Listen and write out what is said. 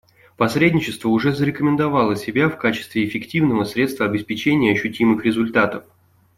Посредничество уже зарекомендовало себя в качестве эффективного средства обеспечения ощутимых результатов.